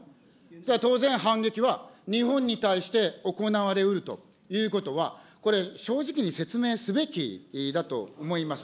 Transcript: それは当然、反撃は日本に対して行われうるということは、正直に説明すべきだと思います。